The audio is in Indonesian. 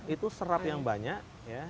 itu serap yang banyak